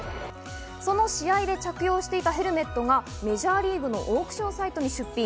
その試合で着用していたヘルメットがメジャーリーグのオークションサイトに出品。